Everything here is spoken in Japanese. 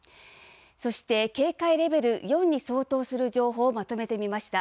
そして、警戒レベル４に相当する情報をまとめてみました。